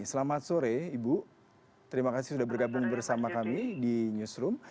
selamat sore ibu terima kasih sudah bergabung bersama kami di newsroom